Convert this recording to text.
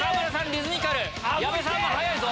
リズミカル矢部さんも早いぞ。